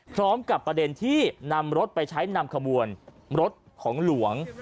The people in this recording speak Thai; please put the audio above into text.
ประเด็นที่นำรถไปใช้นำขบวนรถของหลวง